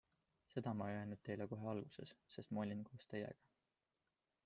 Seda ma ei ole öelnud teile kohe alguses, sest ma olin koos teiega.